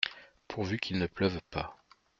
Pourvu qu’il ne pleuve pas !